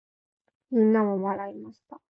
皆は笑いました。